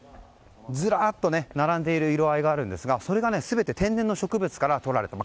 ずらーっと並んでいる色合いがあるんですがそれが全て天然の植物からとられたもの。